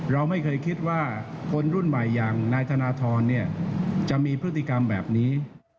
เราไม่เคยคิดว่าคนรุ่นใหม่อย่างนายธนทรจะมีพฤติกรรมแบบนี้